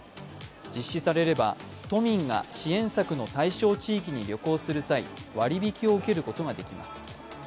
実施されれば都民が支援策の対象地域に旅行する際、割り引きを受けることができます。